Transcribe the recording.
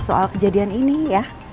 soal kejadian ini ya